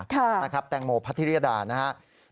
ครับนะครับแตงโมพัทธิริยดานะครับ